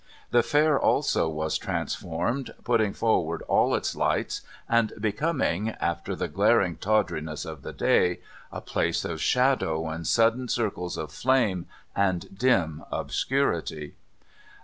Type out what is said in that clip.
The Fair also was transformed, putting forward all its lights and becoming, after the glaring tawdiness of the day, a place of shadow and sudden circles of flame and dim obscurity.